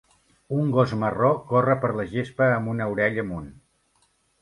Un gos marró corre per la gespa amb una orella amunt.